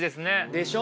でしょ？